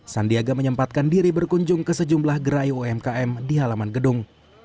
sandiaga menyempatkan diri berkunjung ke sejumlah gerai umkm di halaman gedung